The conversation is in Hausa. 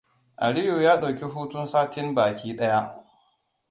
Aliyu ya ɗauki hutun satin baki ɗaya.